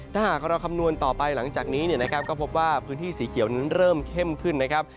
ถ้าหากเราคำนวณต่อไปหลังจากนี้เนี่ยนะครับก็พบว่าพื้นที่สีเขียวนั้นเริ่มเข้มขึ้นนะครับ